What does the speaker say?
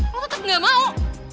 lo tetep gak mau